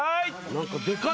何かでかい。